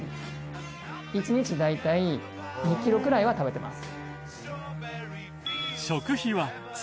１日大体２キロくらいは食べてます。